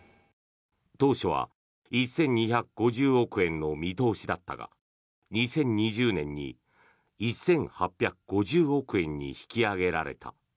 当初は１２５０億円の見通しだったが２０２０年に１８５０億円に引き上げられた。